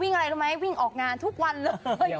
อะไรรู้ไหมวิ่งออกงานทุกวันเลย